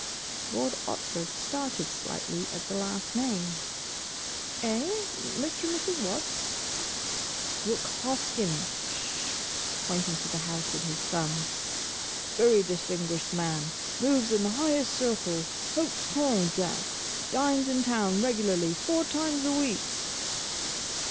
Lord Otford started slightly at the last name. "Eh? Mr. and Mrs. what?" "Brooke Hoskyn. Sh!" pointing to the house with his thumb. "Very distinguished man. Moves in the highest circles. Hote tonn, Jack. Dines in town regularly four times a week."